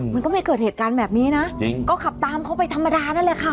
มันก็ไม่เกิดเหตุการณ์แบบนี้นะจริงก็ขับตามเขาไปธรรมดานั่นแหละค่ะ